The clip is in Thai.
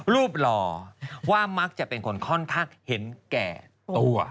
หล่อว่ามักจะเป็นคนค่อนข้างเห็นแก่ตัว